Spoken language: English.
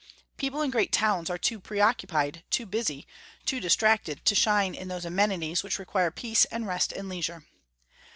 People in great towns are too preoccupied, too busy, too distracted to shine in those amenities which require peace and rest and leisure.